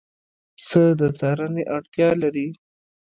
پسه د څارنې اړتیا لري.